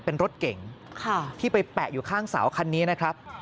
เป็นรถเก่งที่ไปแปะอยู่ข้างเสาคันนี้นะครับ